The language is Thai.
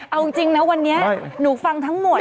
เอาจริงนะวันนี้หนูฟังทั้งหมด